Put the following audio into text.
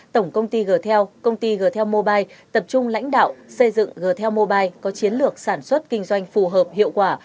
tổng công ty g tel công ty g tel mobile tập trung lãnh đạo xây dựng g tel mobile có chiến lược sản xuất kinh doanh phù hợp hiệu quả